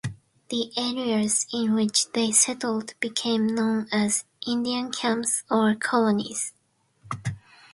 The areas in which they settled became known as Indian Camps or Colonies.